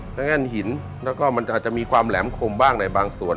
และแง่นหินแล้วก็มันอาจจะมีความแหลมคมบ้างในบางส่วน